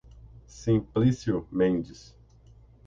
Simplício Mendes